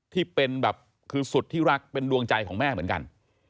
ที่เป็นแบบคือสุดที่รักเป็นดวงใจของแม่เหมือนกัน